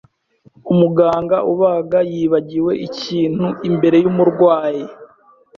Umuganga ubaga yibagiwe ikintu imbere yumurwayi.